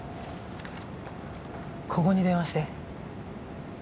ここに電話して。